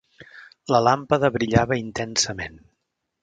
La làmpada brillava intensament.